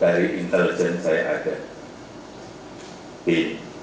dari intelijen saya ada bin